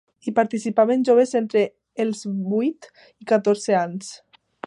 Hi participaven joves entre els vuit i catorze anys.